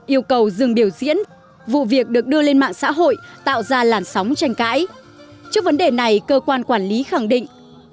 yêu cầu dừng biểu diễn vụ việc được đưa lên mạng xã hội tạo ra làn sóng tranh cãi trước vấn đề này cơ quan quản lý khẳng định